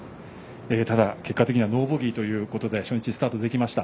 ただ、結果的にはノーボギーということで初日をスタートできました。